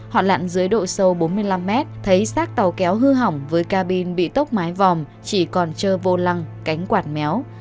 họ lặn dưới độ sâu bốn mươi năm mét thấy xác tàu kéo hư hỏng với cabin bị tốc mái vòm chỉ còn trơ vô lăng cánh quạt méo